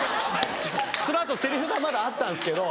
その後セリフがまだあったんですけど。